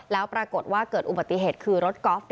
แล้วปรากฏว่าเกิดอุบัติเหตุคือรถกอล์ฟ